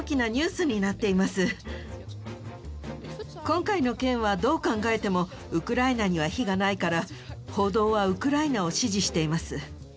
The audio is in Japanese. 今回の件はどう考えてもウクライナには非がないから報道はウクライナを支持しています。